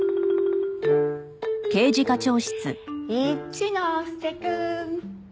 一ノ瀬くん。